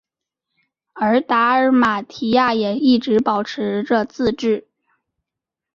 而达尔马提亚也一直保持着自治。